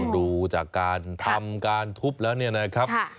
ดูจากการทำการทุบแล้วเนี่ยนะครับ